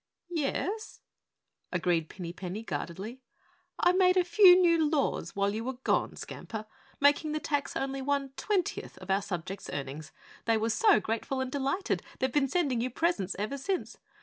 "Yes," agreed Pinny Penny guardedly. "I made a few new laws while you were gone, Skamper, making the tax only one twentieth of our subjects' earnings. They were so grateful and delighted, they've been sending you presents ever since.